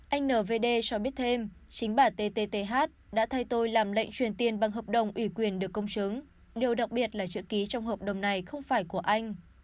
anh nvd cho biết thêm chính bà tt đã thay tôi làm lệnh truyền tiền bằng hợp đồng ủy quyền được công chứng điều đặc biệt là chữ ký trong hợp đồng này không phải của anh